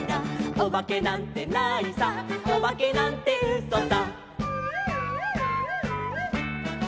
「おばけなんてないさおばけなんてうそさ」